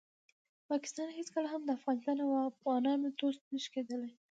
پاکستان هیڅکله هم د افغانستان او افغانانو دوست نشي کیدالی.